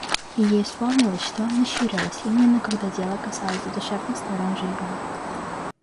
И ей вспомнилось, что Анна щурилась, именно когда дело касалось задушевных сторон жизни.